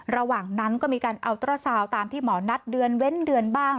ระหว่างนั้นก็มีการเอาตัวซาวตามที่หมอนัดเดือนเว้นเดือนบ้าง